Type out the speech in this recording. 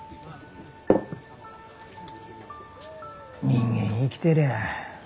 人間生きてりゃ